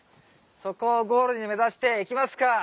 そこをゴールに目指して行きますか！